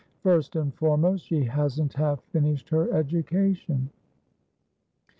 ' First and foremost, she hasn't half finished her education.'